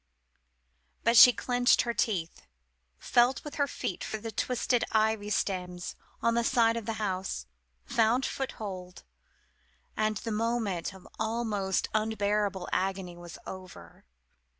But she clenched her teeth, felt with her feet for the twisted ivy stems on the side of the house, found foothold, and the moment of almost unbearable agony was over.